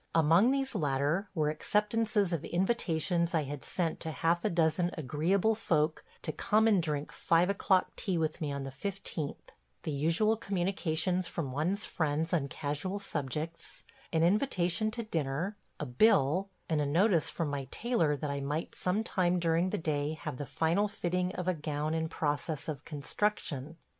Among these latter were acceptances of invitations I had sent to half a dozen agreeable folk to come and drink five o'clock tea with me on the 15th, the usual communications from one's friends on casual subjects; an invitation to dinner; a bill; and a notice from my tailor that I might some time during the day have the final fitting of a gown in process of construction.